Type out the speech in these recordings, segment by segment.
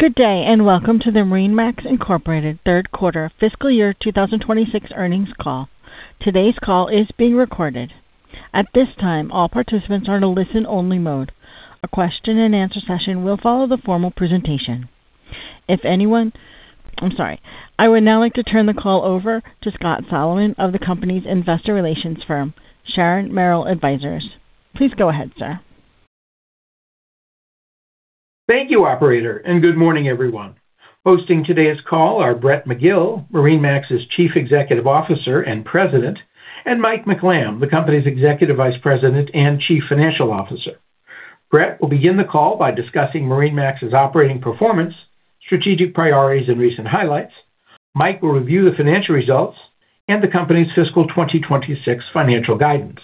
Good day, and welcome to the MarineMax, Inc. third quarter fiscal year 2026 earnings call. Today's call is being recorded. At this time, all participants are in a listen-only mode. A question and answer session will follow the formal presentation. I would now like to turn the call over to Scott Solomon of the company's investor relations firm, Sharon Merrill Advisors. Please go ahead, sir. Thank you, operator, and good morning, everyone. Hosting today's call are Brett McGill, MarineMax's Chief Executive Officer and President, and Mike McLamb, the company's Executive Vice President and Chief Financial Officer. Brett will begin the call by discussing MarineMax's operating performance, strategic priorities, and recent highlights. Mike will review the financial results and the company's fiscal 2026 financial guidance.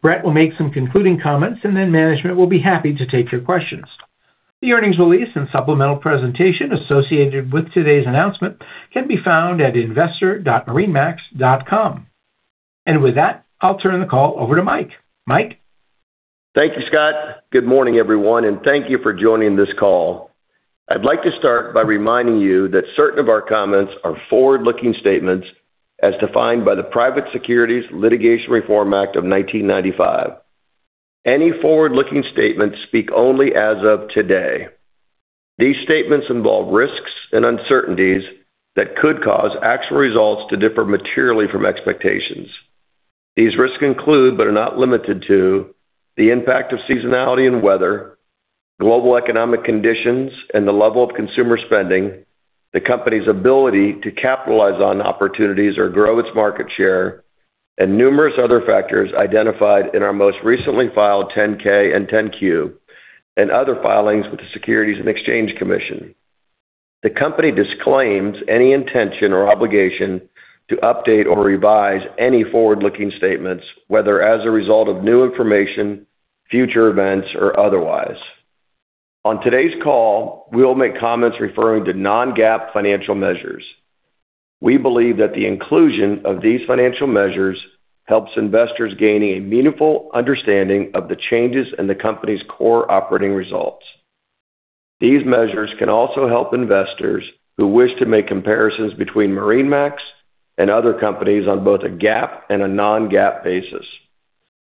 Brett will make some concluding comments, management will be happy to take your questions. The earnings release and supplemental presentation associated with today's announcement can be found at investor.marinemax.com. With that, I'll turn the call over to Mike. Mike? Thank you, Scott. Good morning, everyone, and thank you for joining this call. I'd like to start by reminding you that certain of our comments are forward-looking statements as defined by the Private Securities Litigation Reform Act of 1995. Any forward-looking statements speak only as of today. These statements involve risks and uncertainties that could cause actual results to differ materially from expectations. These risks include, but are not limited to, the impact of seasonality and weather, global economic conditions and the level of consumer spending, the company's ability to capitalize on opportunities or grow its market share, and numerous other factors identified in our most recently filed 10-K and 10-Q and other filings with the Securities and Exchange Commission. The company disclaims any intention or obligation to update or revise any forward-looking statements, whether as a result of new information, future events, or otherwise. On today's call, we will make comments referring to non-GAAP financial measures. We believe that the inclusion of these financial measures helps investors gain a meaningful understanding of the changes in the company's core operating results. These measures can also help investors who wish to make comparisons between MarineMax and other companies on both a GAAP and a non-GAAP basis.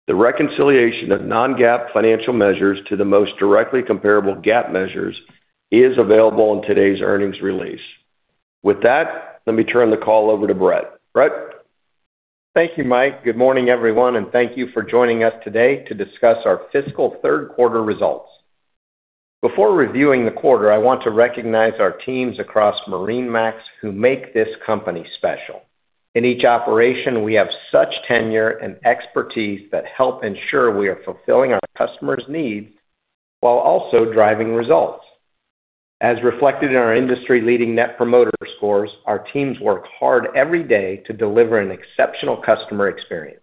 The reconciliation of non-GAAP financial measures to the most directly comparable GAAP measures is available in today's earnings release. With that, let me turn the call over to Brett. Brett? Thank you, Mike. Good morning, everyone, and thank you for joining us today to discuss our fiscal third quarter results. Before reviewing the quarter, I want to recognize our teams across MarineMax who make this company special. In each operation, we have such tenure and expertise that help ensure we are fulfilling our customers' needs while also driving results. As reflected in our industry-leading net promoter scores, our teams work hard every day to deliver an exceptional customer experience.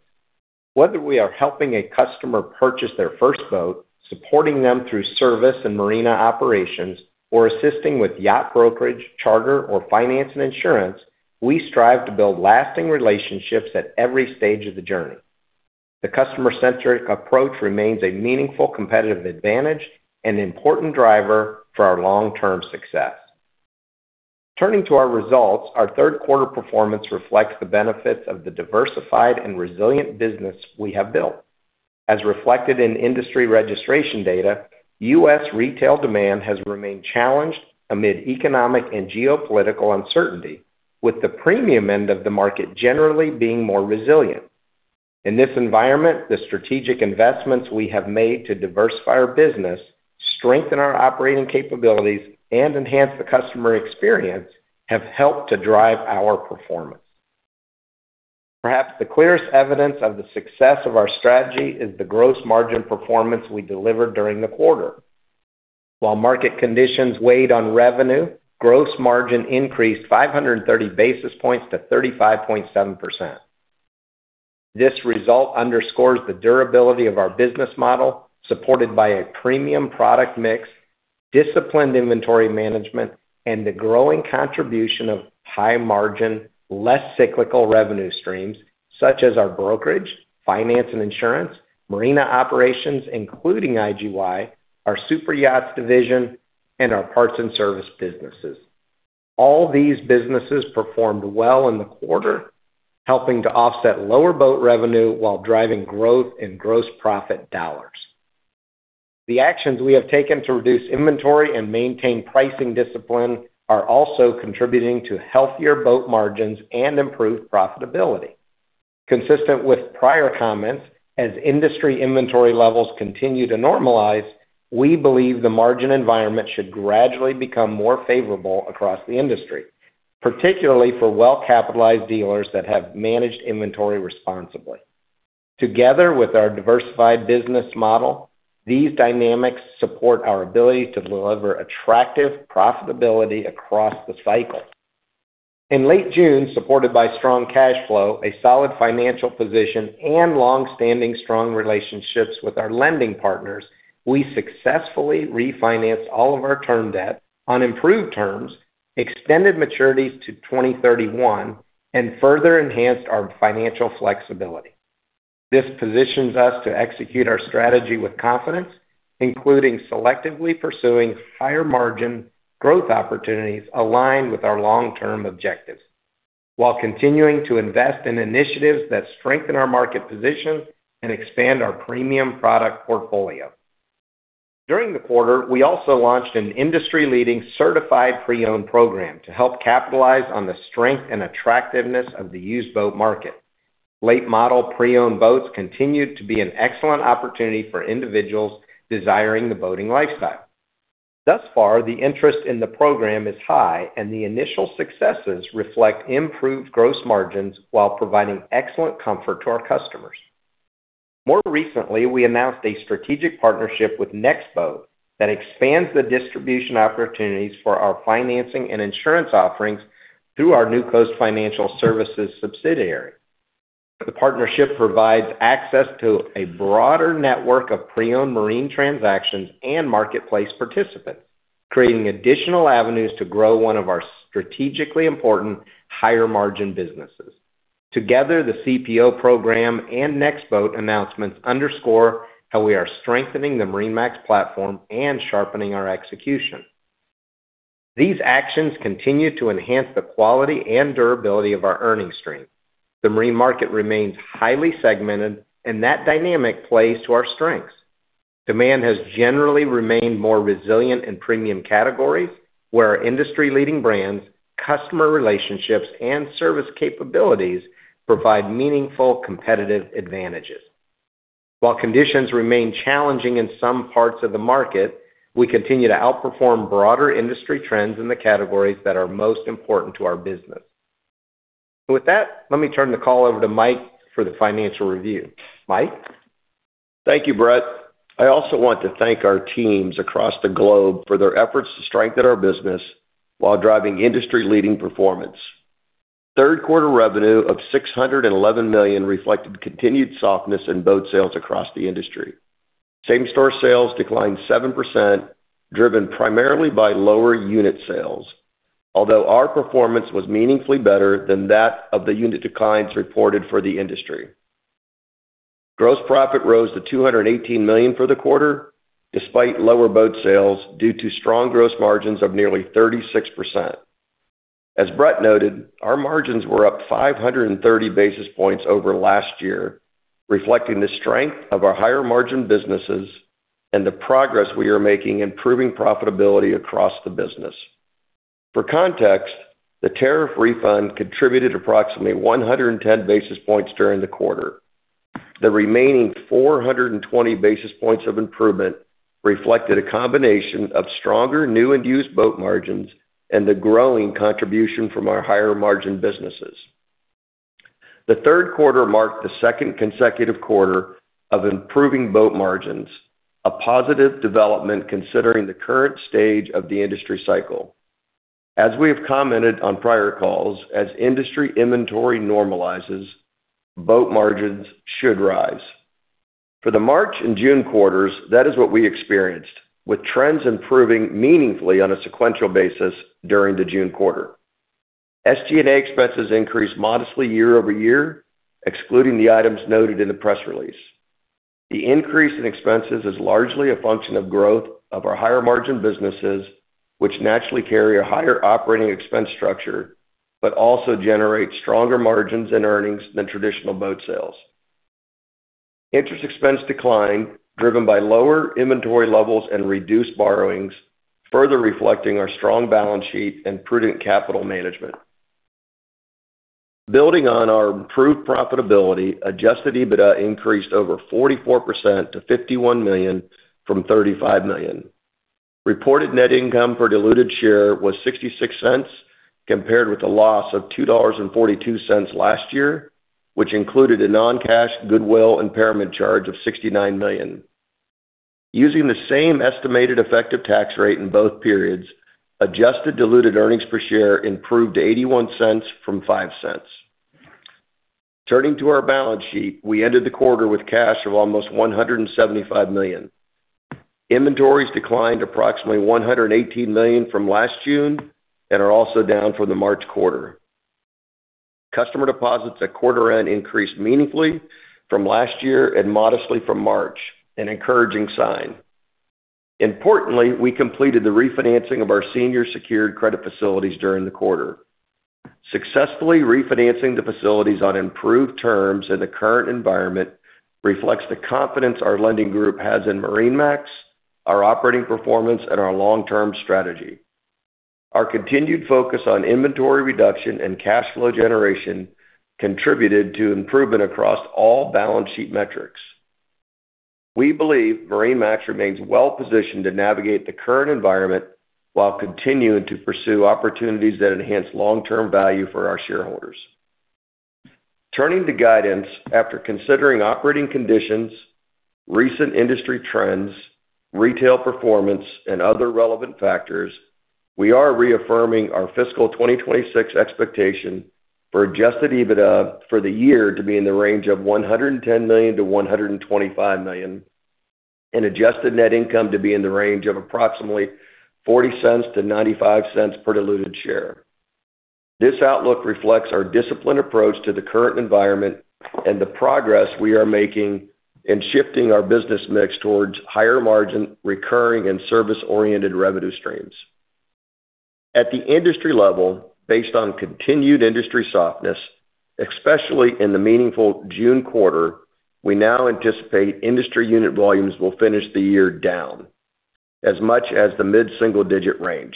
Whether we are helping a customer purchase their first boat, supporting them through service and marina operations, or assisting with yacht brokerage, charter, or finance and insurance, we strive to build lasting relationships at every stage of the journey. The customer-centric approach remains a meaningful competitive advantage and an important driver for our long-term success. Turning to our results, our third quarter performance reflects the benefits of the diversified and resilient business we have built. As reflected in industry registration data, U.S. retail demand has remained challenged amid economic and geopolitical uncertainty, with the premium end of the market generally being more resilient. In this environment, the strategic investments we have made to diversify our business, strengthen our operating capabilities, and enhance the customer experience have helped to drive our performance. Perhaps the clearest evidence of the success of our strategy is the gross margin performance we delivered during the quarter. While market conditions weighed on revenue, gross margin increased 530 basis points to 35.7%. This result underscores the durability of our business model, supported by a premium product mix, disciplined inventory management, and the growing contribution of high-margin, less cyclical revenue streams, such as our brokerage, finance and insurance, marina operations, including IGY, our Superyacht Division, and our parts and service businesses. All these businesses performed well in the quarter, helping to offset lower boat revenue while driving growth in gross profit dollars. The actions we have taken to reduce inventory and maintain pricing discipline are also contributing to healthier boat margins and improved profitability. Consistent with prior comments, as industry inventory levels continue to normalize, we believe the margin environment should gradually become more favorable across the industry, particularly for well-capitalized dealers that have managed inventory responsibly. Together with our diversified business model, these dynamics support our ability to deliver attractive profitability across the cycle. In late June, supported by strong cash flow, a solid financial position, and longstanding strong relationships with our lending partners, we successfully refinanced all of our term debt on improved terms, extended maturities to 2031, and further enhanced our financial flexibility. This positions us to execute our strategy with confidence, including selectively pursuing higher-margin growth opportunities aligned with our long-term objectives, while continuing to invest in initiatives that strengthen our market position and expand our premium product portfolio. During the quarter, we also launched an industry-leading certified pre-owned program to help capitalize on the strength and attractiveness of the used boat market. Late-model pre-owned boats continued to be an excellent opportunity for individuals desiring the boating lifestyle. Thus far, the interest in the program is high, and the initial successes reflect improved gross margins while providing excellent comfort to our customers. More recently, we announced a strategic partnership with NextBoat that expands the distribution opportunities for our financing and insurance offerings through our Newcoast Financial Services subsidiary. The partnership provides access to a broader network of pre-owned marine transactions and marketplace participants, creating additional avenues to grow one of our strategically important higher-margin businesses. Together, the CPO program and NextBoat announcements underscore how we are strengthening the MarineMax platform and sharpening our execution. These actions continue to enhance the quality and durability of our earnings stream. The marine market remains highly segmented, and that dynamic plays to our strengths. Demand has generally remained more resilient in premium categories where our industry-leading brands, customer relationships, and service capabilities provide meaningful competitive advantages. While conditions remain challenging in some parts of the market, we continue to outperform broader industry trends in the categories that are most important to our business. With that, let me turn the call over to Mike for the financial review. Mike? Thank you, Brett. I also want to thank our teams across the globe for their efforts to strengthen our business while driving industry-leading performance. Third quarter revenue of $611 million reflected continued softness in boat sales across the industry. Same-store sales declined 7%, driven primarily by lower unit sales, although our performance was meaningfully better than that of the unit declines reported for the industry. Gross profit rose to $218 million for the quarter, despite lower boat sales due to strong gross margins of nearly 36%. As Brett noted, our margins were up 530 basis points over last year, reflecting the strength of our higher-margin businesses and the progress we are making improving profitability across the business. For context, the tariff refund contributed approximately 110 basis points during the quarter. The remaining 420 basis points of improvement reflected a combination of stronger new and used boat margins and the growing contribution from our higher-margin businesses. The third quarter marked the second consecutive quarter of improving boat margins, a positive development considering the current stage of the industry cycle. As we have commented on prior calls, as industry inventory normalizes, boat margins should rise. For the March and June quarters, that is what we experienced, with trends improving meaningfully on a sequential basis during the June quarter. SG&A expenses increased modestly year-over-year, excluding the items noted in the press release. The increase in expenses is largely a function of growth of our higher-margin businesses, which naturally carry a higher operating expense structure, but also generate stronger margins and earnings than traditional boat sales. Interest expense declined, driven by lower inventory levels and reduced borrowings, further reflecting our strong balance sheet and prudent capital management. Building on our improved profitability, adjusted EBITDA increased over 44% to $51 million from $35 million. Reported net income per diluted share was $0.66, compared with a loss of $2.42 last year, which included a non-cash goodwill impairment charge of $69 million. Using the same estimated effective tax rate in both periods, adjusted diluted earnings per share improved to $0.81 from $0.05. Turning to our balance sheet, we ended the quarter with cash of almost $175 million. Inventories declined approximately $118 million from last June and are also down from the March quarter. Customer deposits at quarter end increased meaningfully from last year and modestly from March, an encouraging sign. Importantly, we completed the refinancing of our senior secured credit facilities during the quarter. Successfully refinancing the facilities on improved terms in the current environment reflects the confidence our lending group has in MarineMax, our operating performance, and our long-term strategy. Our continued focus on inventory reduction and cash flow generation contributed to improvement across all balance sheet metrics. We believe MarineMax remains well-positioned to navigate the current environment while continuing to pursue opportunities that enhance long-term value for our shareholders. Turning to guidance, after considering operating conditions, recent industry trends, retail performance, and other relevant factors, we are reaffirming our fiscal 2026 expectation for adjusted EBITDA for the year to be in the range of $110 million-$125 million, and adjusted net income to be in the range of approximately $0.40-$0.95 per diluted share. This outlook reflects our disciplined approach to the current environment and the progress we are making in shifting our business mix towards higher margin, recurring and service-oriented revenue streams. At the industry level, based on continued industry softness, especially in the meaningful June quarter, we now anticipate industry unit volumes will finish the year down as much as the mid-single-digit range.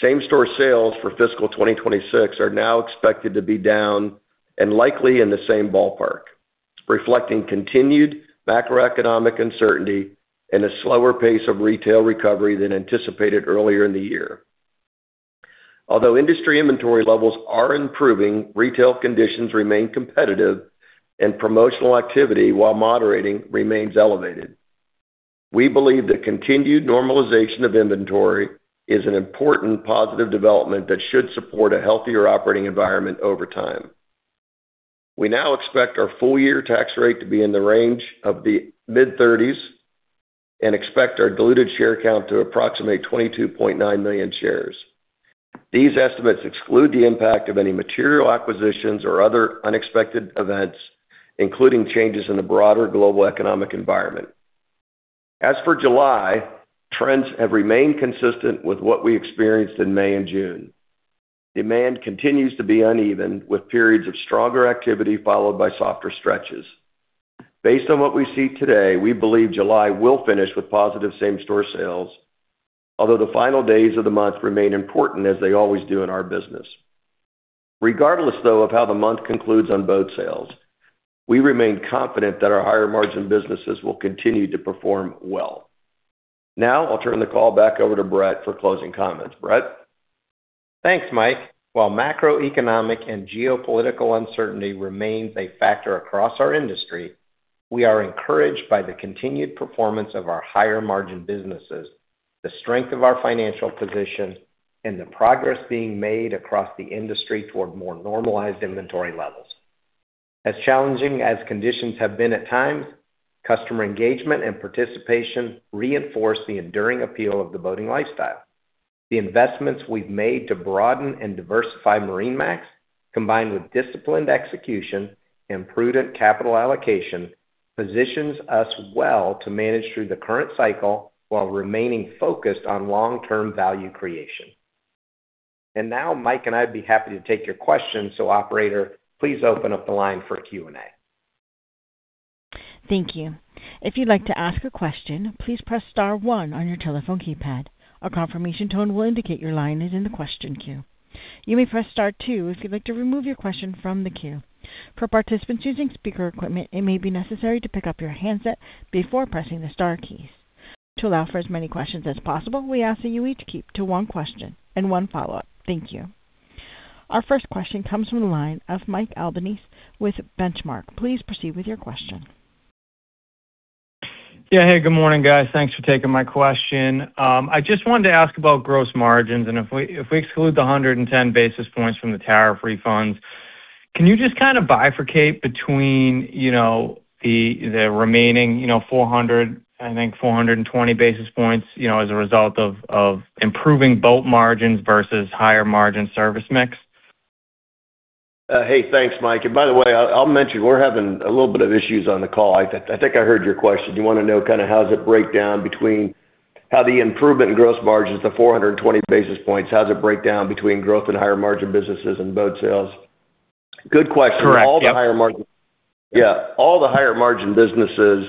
Same-store sales for fiscal 2026 are now expected to be down and likely in the same ballpark, reflecting continued macroeconomic uncertainty and a slower pace of retail recovery than anticipated earlier in the year. Although industry inventory levels are improving, retail conditions remain competitive, and promotional activity, while moderating, remains elevated. We believe that continued normalization of inventory is an important positive development that should support a healthier operating environment over time. We now expect our full-year tax rate to be in the range of the mid-thirties and expect our diluted share count to approximately 22.9 million shares. These estimates exclude the impact of any material acquisitions or other unexpected events, including changes in the broader global economic environment. As for July, trends have remained consistent with what we experienced in May and June. Demand continues to be uneven, with periods of stronger activity, followed by softer stretches. Based on what we see today, we believe July will finish with positive same-store sales, although the final days of the month remain important as they always do in our business. Regardless, though, of how the month concludes on boat sales, we remain confident that our higher margin businesses will continue to perform well. Now I'll turn the call back over to Brett for closing comments. Brett? Thanks, Mike. While macroeconomic and geopolitical uncertainty remains a factor across our industry, we are encouraged by the continued performance of our higher margin businesses, the strength of our financial position, and the progress being made across the industry toward more normalized inventory levels. As challenging as conditions have been at times, customer engagement and participation reinforce the enduring appeal of the boating lifestyle. The investments we've made to broaden and diversify MarineMax, combined with disciplined execution and prudent capital allocation, positions us well to manage through the current cycle while remaining focused on long-term value creation. Now Mike and I'd be happy to take your questions. Operator, please open up the line for Q&A. Thank you. If you'd like to ask a question, please press star one on your telephone keypad. A confirmation tone will indicate your line is in the question queue. You may press star two if you'd like to remove your question from the queue. For participants using speaker equipment, it may be necessary to pick up your handset before pressing the star keys. To allow for as many questions as possible, we ask that you each keep to one question and one follow-up. Thank you. Our first question comes from the line of Mike Albanese with Benchmark. Please proceed with your question. Yeah. Hey, good morning, guys. Thanks for taking my question. I just wanted to ask about gross margins, and if we exclude the 110 basis points from the tariff refunds, can you just kind of bifurcate between the remaining 400, I think 420 basis points as a result of improving boat margins versus higher margin service mix? Hey, thanks, Mike. By the way, I'll mention we're having a little bit of issues on the call. I think I heard your question. You want to know kind of how does it break down between how the improvement in gross margins, the 420 basis points, how does it break down between growth and higher margin businesses and boat sales? Good question. Correct. Yep. Yeah. All the higher margin businesses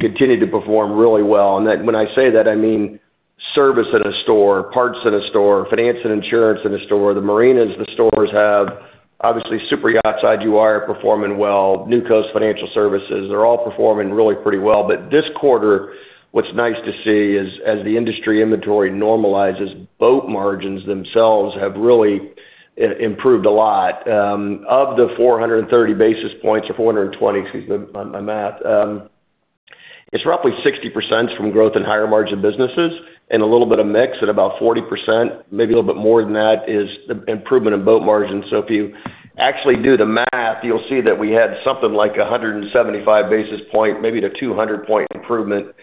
continue to perform really well. When I say that, I mean service at a store, parts at a store, finance and insurance in a store, the marinas the stores have. Obviously, Superyachtside you are performing well. Newcoast Financial Services, they're all performing really pretty well. This quarter, what's nice to see is as the industry inventory normalizes, boat margins themselves have really improved a lot. Of the 430 basis points or 420, excuse my math, it's roughly 60% from growth in higher margin businesses and a little bit of mix at about 40%, maybe a little bit more than that is the improvement in boat margins. If you actually do the math, you'll see that we had something like 175 basis point, maybe to 200-point improvement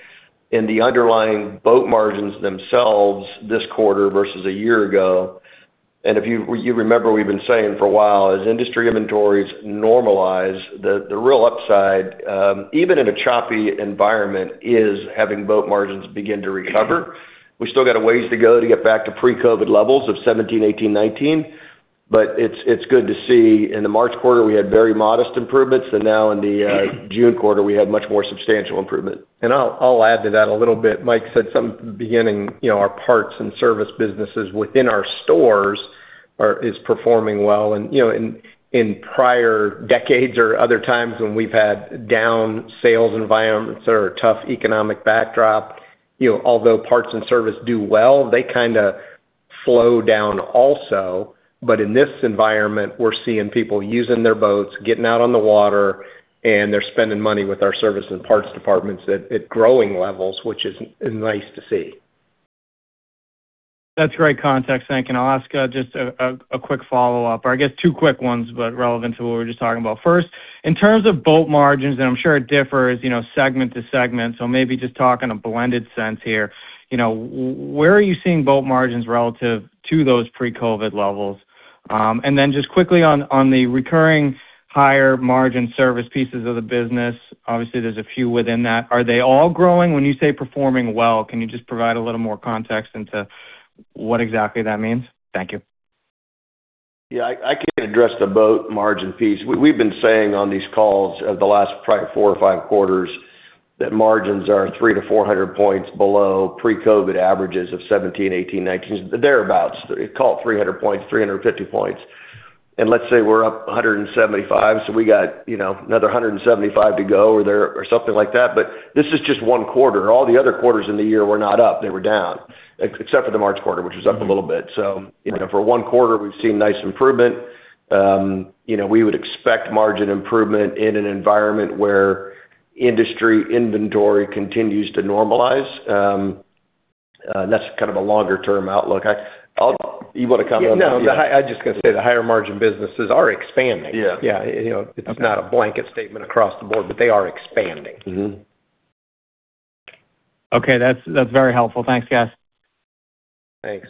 in the underlying boat margins themselves this quarter versus a year ago. If you remember, we've been saying for a while, as industry inventories normalize, the real upside, even in a choppy environment, is having boat margins begin to recover. We still got a ways to go to get back to pre-COVID levels of 2017, 2018, 2019, it's good to see. In the March quarter, we had very modest improvements, now in the June quarter, we had much more substantial improvement. I'll add to that a little bit. Mike said some at the beginning, our parts and service businesses within our stores is performing well. In prior decades or other times when we've had down sales environments or a tough economic backdrop, although parts and service do well, they kind of flow down also. In this environment, we're seeing people using their boats, getting out on the water, and they're spending money with our service and parts departments at growing levels, which is nice to see. That's great context. Thank you. I'll ask just a quick follow-up, or I guess two quick ones, relevant to what we were just talking about. First, in terms of boat margins, I'm sure it differs segment to segment, so maybe just talk in a blended sense here. Where are you seeing boat margins relative to those pre-COVID levels? Then just quickly on the recurring higher margin service pieces of the business, obviously there's a few within that. Are they all growing? When you say performing well, can you just provide a little more context into what exactly that means? Thank you. Yeah. I can address the boat margin piece. We've been saying on these calls the last probably four or five quarters that margins are 300-400 points below pre-COVID averages of 2017, 2018, 2019, thereabouts. Call it 300 points, 350 points. Let's say we're up 175, so we got another 175 to go or something like that. This is just one quarter. All the other quarters in the year were not up, they were down. Except for the March quarter, which was up a little bit. For one quarter, we've seen nice improvement. We would expect margin improvement in an environment where industry inventory continues to normalize. That's kind of a longer-term outlook. You want to comment on that? No, I'm just going to say the higher margin businesses are expanding. Yeah. It's not a blanket statement across the board, they are expanding. Okay. That's very helpful. Thanks, guys. Thanks.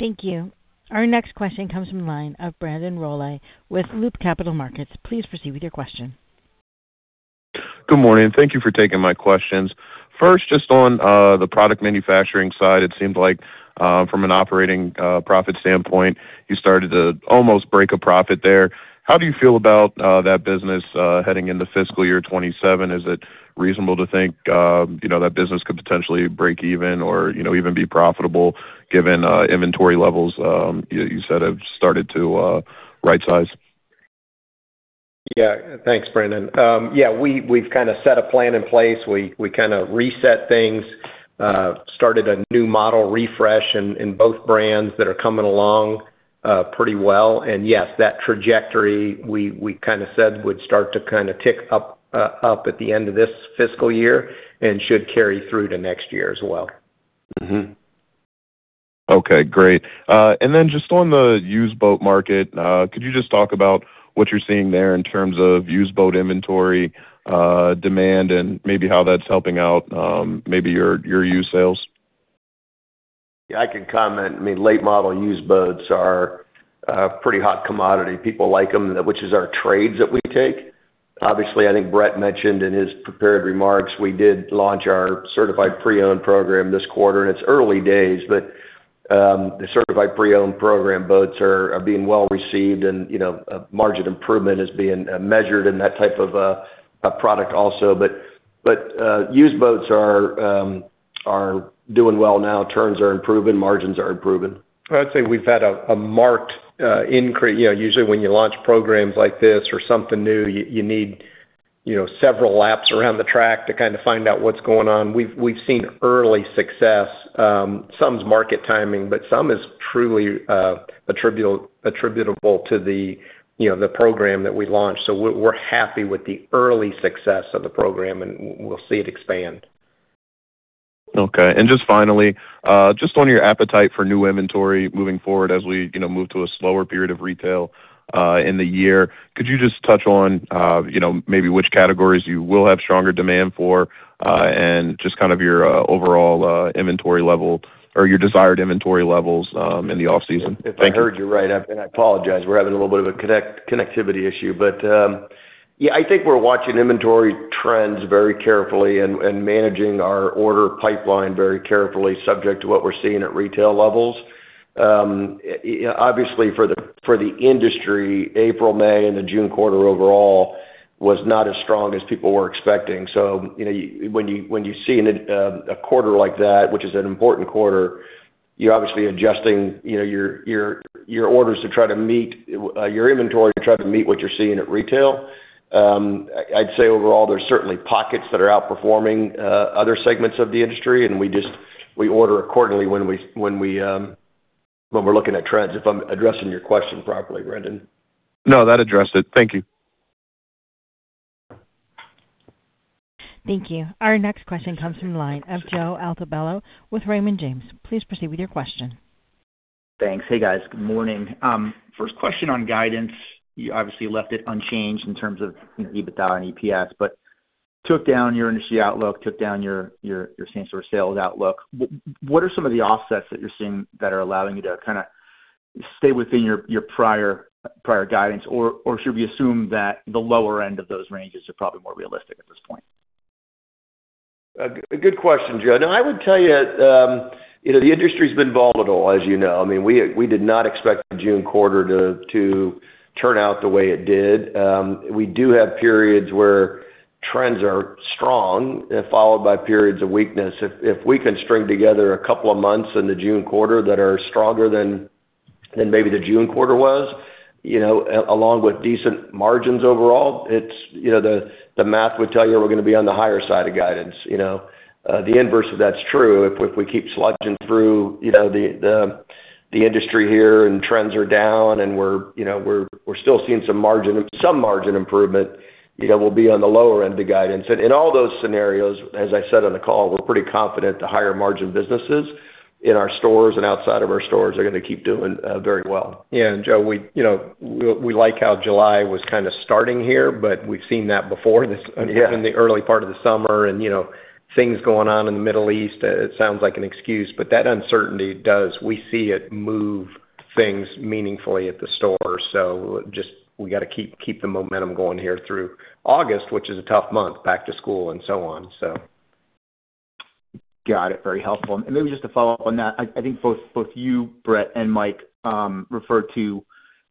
Thank you. Our next question comes from the line of Brandon Rolle with Loop Capital Markets. Please proceed with your question. Good morning. Thank you for taking my questions. First, just on the product manufacturing side, it seems like, from an operating profit standpoint, you started to almost break a profit there. How do you feel about that business heading into fiscal year 2027? Is it reasonable to think that business could potentially break even or even be profitable given inventory levels you said have started to right size? Yeah. Thanks, Brandon. Yeah, we've kind of set a plan in place. We kind of reset things. Started a new model refresh in both brands that are coming along pretty well. Yes, that trajectory we kind of said would start to kind of tick up at the end of this fiscal year and should carry through to next year as well. Mm-hmm. Okay, great. Then just on the used boat market, could you just talk about what you're seeing there in terms of used boat inventory, demand, and maybe how that's helping out maybe your used sales? Yeah, I can comment. I mean, late model used boats are a pretty hot commodity. People like them, which is our trades that we take. Obviously, I think Brett mentioned in his prepared remarks, we did launch our certified pre-owned program this quarter. It's early days, but the certified pre-owned program boats are being well-received and margin improvement is being measured in that type of a product also. Used boats are doing well now. Turns are improving, margins are improving. I'd say we've had a marked increase. Usually when you launch programs like this or something new, you need several laps around the track to kind of find out what's going on. We've seen early success. Some's market timing, but some is truly attributable to the program that we launched. We're happy with the early success of the program, and we'll see it expand. Okay. Just finally, just on your appetite for new inventory moving forward as we move to a slower period of retail in the year, could you just touch on maybe which categories you will have stronger demand for? Just kind of your overall inventory level or your desired inventory levels in the off-season. Thank you. If I heard you right, I apologize, we're having a little bit of a connectivity issue. Yeah, I think we're watching inventory trends very carefully and managing our order pipeline very carefully subject to what we're seeing at retail levels. Obviously for the industry, April, May, and the June quarter overall was not as strong as people were expecting. When you see a quarter like that, which is an important quarter, you're obviously adjusting your orders to try to meet your inventory, to try to meet what you're seeing at retail. I'd say overall, there's certainly pockets that are outperforming other segments of the industry, and we order accordingly when we're looking at trends, if I'm addressing your question properly, Brandon. No, that addressed it. Thank you. Thank you. Our next question comes from the line of Joe Altobello with Raymond James. Please proceed with your question. Thanks. Hey, guys. Good morning. First question on guidance. You obviously left it unchanged in terms of EBITDA and EPS, took down your industry outlook, took down your same-store sales outlook. What are some of the offsets that you're seeing that are allowing you to kind of stay within your prior guidance? Or should we assume that the lower end of those ranges are probably more realistic at this point? A good question, Joe. No, I would tell you the industry's been volatile, as you know. I mean, we did not expect the June quarter to turn out the way it did. We do have periods where trends are strong, followed by periods of weakness. If we can string together a couple of months in the June quarter that are stronger than maybe the June quarter was, along with decent margins overall, the math would tell you we're going to be on the higher side of guidance. The inverse of that's true. If we keep sludging through the industry here and trends are down and we're still seeing some margin improvement, we'll be on the lower end of the guidance. In all those scenarios, as I said on the call, we're pretty confident the higher margin businesses in our stores and outside of our stores are going to keep doing very well. Yeah. Joe, we like how July was kind of starting here, but we've seen that before. Yeah. In the early part of the summer and things going on in the Middle East. It sounds like an excuse, but that uncertainty does. We see it move things meaningfully at the store. Just we got to keep the momentum going here through August, which is a tough month, back to school and so on. Got it. Very helpful. Maybe just to follow up on that, I think both you, Brett, and Mike referred to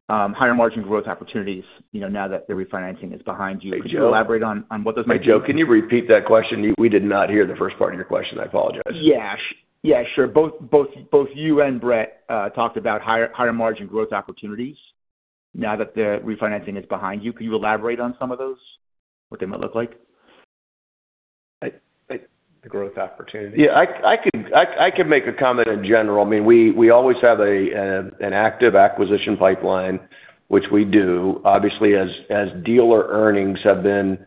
higher margin growth opportunities, now that the refinancing is behind you. Hey, Joe. Could you elaborate on what those might be? Hey, Joe, can you repeat that question? We did not hear the first part of your question. I apologize. Yeah. Sure. Both you and Brett talked about higher margin growth opportunities now that the refinancing is behind you. Could you elaborate on some of those, what they might look like? The growth opportunities. Yeah, I can make a comment in general. We always have an active acquisition pipeline, which we do, obviously, as dealer earnings have been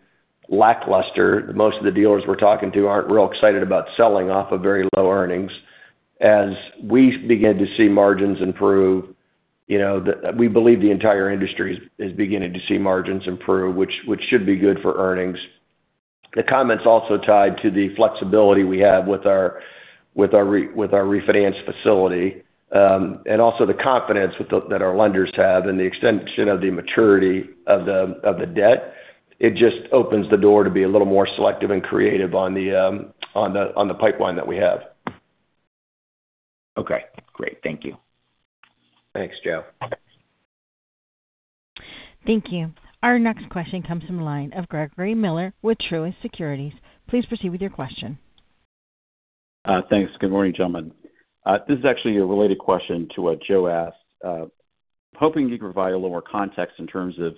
lackluster. Most of the dealers we're talking to aren't real excited about selling off of very low earnings. As we begin to see margins improve, we believe the entire industry is beginning to see margins improve, which should be good for earnings. The comment's also tied to the flexibility we have with our refinance facility, and also the confidence that our lenders have and the extension of the maturity of the debt. It just opens the door to be a little more selective and creative on the pipeline that we have. Okay, great. Thank you. Thanks, Joe. Thank you. Our next question comes from the line of Greg Miller with Truist Securities. Please proceed with your question. Thanks. Good morning, gentlemen. This is actually a related question to what Joe asked. Hoping you could provide a little more context in terms of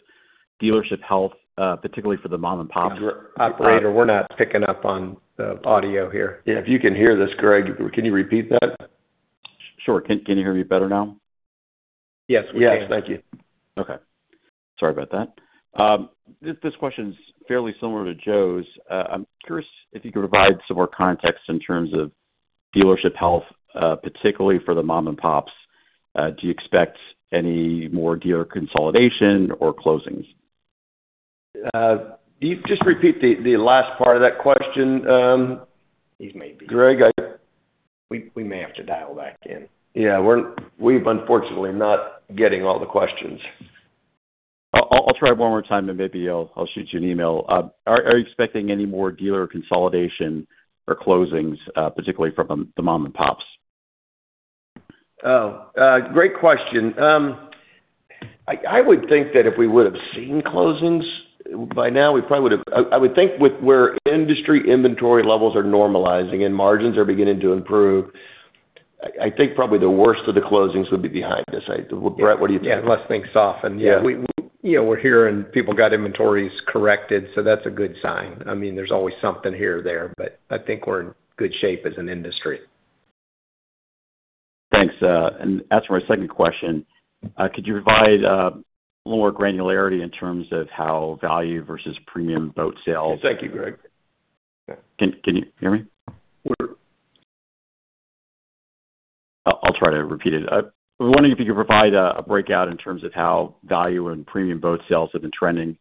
dealership health, particularly for the mom-and-pops. Operator, we're not picking up on the audio here. Yeah, if you can hear this, Greg, can you repeat that? Sure. Can you hear me better now? Yes, we can. Yes. Thank you. Okay. Sorry about that. This question's fairly similar to Joe's. I'm curious if you could provide some more context in terms of dealership health, particularly for the mom-and-pops. Do you expect any more dealer consolidation or closings? Just repeat the last part of that question. He's Greg, we may have to dial back in. Yeah. We're unfortunately not getting all the questions. I'll try one more time, maybe I'll shoot you an email. Are you expecting any more dealer consolidation or closings, particularly from the mom-and-pops? Oh. Great question. I would think that if we would've seen closings by now, we probably would have. I would think with where industry inventory levels are normalizing and margins are beginning to improve, I think probably the worst of the closings would be behind us. Brett, what do you think? Yeah. Let things soften. Yeah. We're hearing people got inventories corrected, that's a good sign. There's always something here or there, I think we're in good shape as an industry. Thanks. As for my second question, could you provide a little more granularity in terms of how value versus premium boat sales Thank you, Greg. Can you hear me? I'll try to repeat it. We were wondering if you could provide a breakout in terms of how value and premium boat sales have been trending in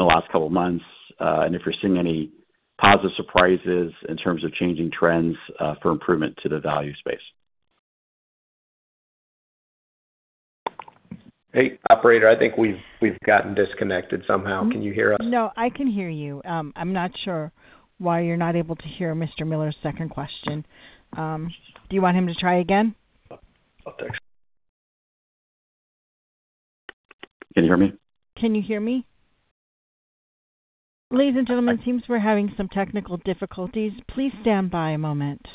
the last couple of months, and if you're seeing any positive surprises in terms of changing trends for improvement to the value space. Hey, operator. I think we've gotten disconnected somehow. Can you hear us? I can hear you. I'm not sure why you're not able to hear Mr. Miller's second question. Do you want him to try again? Thanks. Can you hear me? Can you hear me? Ladies and gentlemen, it seems we're having some technical difficulties. Please stand by a moment.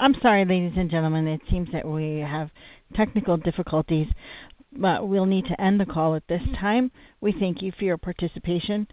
I'm sorry, ladies and gentlemen. It seems that we have technical difficulties, but we'll need to end the call at this time. We thank you for your participation.